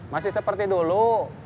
masih seperti dulu